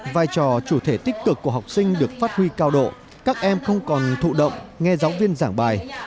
vai trò chủ thể tích cực của học sinh được phát huy cao độ các em không còn thụ động nghe giáo viên giảng bài